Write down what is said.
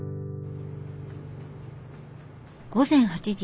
午前８時。